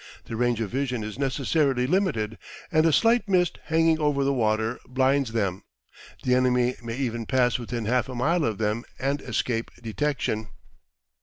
The range of vision is necessarily limited, and a slight mist hanging over the water blinds them; the enemy may even pass within half a mile of them and escape detection.